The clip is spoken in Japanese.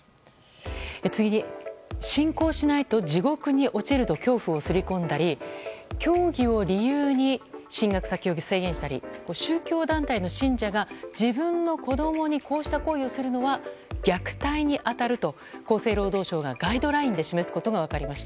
信仰しないと地獄に落ちるなどと恐怖をすり込んだり教義を理由に進学先を制限したり宗教団体の信者が自分の子供にこうした行為をするのは虐待に当たると、厚生労働省がガイドラインで示すことが分かりました。